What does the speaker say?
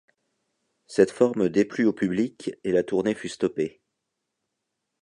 Cette forme déplut au public et la tournée fut stoppée.